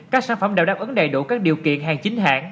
các sản phẩm đều đáp ứng đầy đủ các điều kiện hàng chính hãng